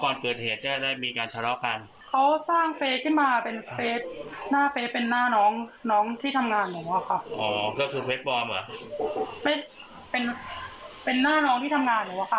ก่อนเปิดเหตุได้มีการทะเลาะกันเขาสร้างเฟซที่มาเป็นหน้าน้องที่ทำงานเหมือนกันค่ะ